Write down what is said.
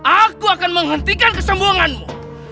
aku akan menghentikan kesembuhanmu